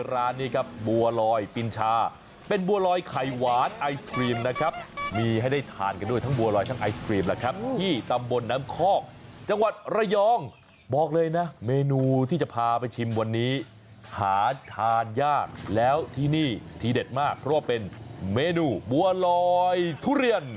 ร้านนี้ครับบัวลอยปินชาเป็นบัวลอยไข่หวานไอศครีมนะครับมีให้ได้ทานกันด้วยทั้งบัวลอยทั้งไอศครีมแหละครับที่ตำบลน้ำคอกจังหวัดระยองบอกเลยนะเมนูที่จะพาไปชิมวันนี้หาทานยากแล้วที่นี่ทีเด็ดมากเพราะว่าเป็นเมนูบัวลอยทุเรียน